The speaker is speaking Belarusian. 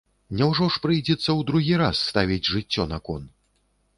Няўжо ж прыйдзецца ў другі раз ставіць жыццё на кон?